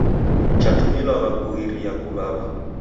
Chatumilwagha kughiria kuw'aw'a.